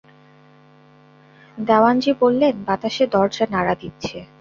দেওয়ানজি বললেন, বাতাসে দরজা নাড়া দিচ্ছে।